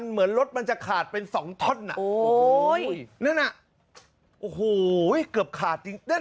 เหมือนรถมันจะขาดเป็นสองท่อนอ่ะโอ้โหนั่นน่ะโอ้โหเกือบขาดจริง